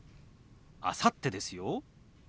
「あさって」ですよ。